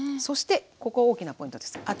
そしてここ大きなポイントです。